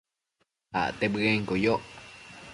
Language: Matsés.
Acte bëenquio yoc